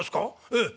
ええ。